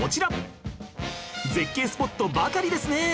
絶景スポットばかりですね